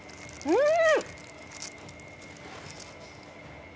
うん！